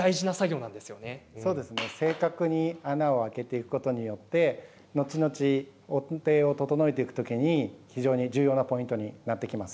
正確に穴を開けることによってのちのち音程を整えていくときに非常に重要なポイントになってきます。